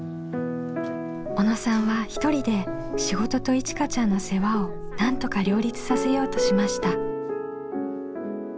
小野さんは一人で仕事といちかちゃんの世話をなんとか両立させようとしました。